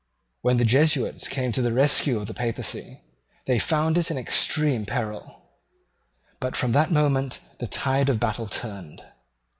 When the Jesuits came to the rescue of the Papacy, they found it in extreme peril: but from that moment the tide of battle turned.